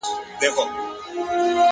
زحمت د بریا بنسټ کلکوي؛